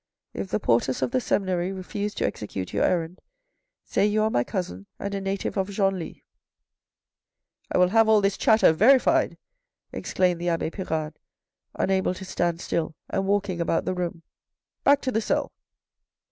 If the porters of the seminary refuse to execute your errand, say you are my cousin and a native of Genlis.' "" I will have all this chatter verified," exclaimed the abbe Pirard, unable to stand still, and walking about the room. " Back to the cell."